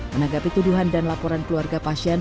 menanggapi tuduhan dan laporan keluarga pasien